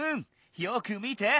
よく見て。